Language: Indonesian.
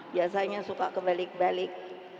biasanya suka kebalik balik